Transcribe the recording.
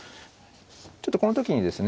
ちょっとこの時にですね